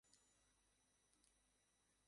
যারীদকে নিজের সম্মুখে বসিয়ে তার চোখে চোখ রাখে।